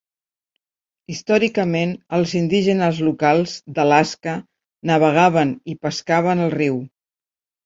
Històricament, els indígenes locals d'Alaska navegaven i pescaven al riu.